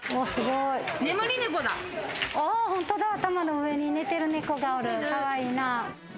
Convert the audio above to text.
本当だ頭の上に眠ってる猫がおる、かわいいなぁ。